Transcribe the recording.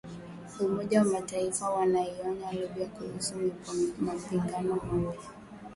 Umoja wa Mataifa waionya Libya kuhusu mapigano mapya